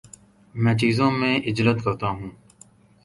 میں چیزوں میں عجلت کرتا ہوں